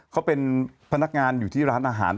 เขาเป็นพนักงานอยู่ที่ร้านอาหาร